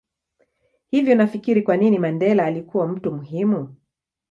Hivi unafikiri kwanini Mandela alikua mtu muhimu